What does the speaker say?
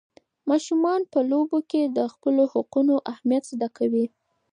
ماشومان په لوبو کې د خپلو حقونو اهمیت زده کوي.